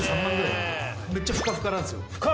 めっちゃふかふかなんすよ。